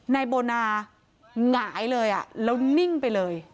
นายโบนาหงายเลย